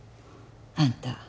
あんた